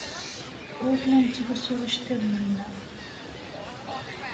Ur la nettlusu iceḍḍiḍen-nneɣ.